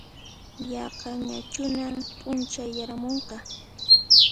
Yaqañachunan p'unchayaramunqa